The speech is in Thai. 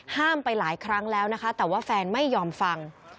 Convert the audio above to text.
ห้ามไปหลายครั้งแล้วแต่ว่าเฟนไม่ยอมฟัง